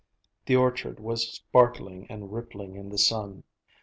The orchard was sparkling and rippling in the sun.